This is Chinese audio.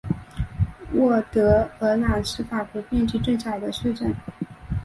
沃德尔朗是法国面积最小的市镇。